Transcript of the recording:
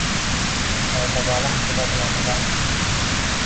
Mayda baliq toʻda bilan yuradi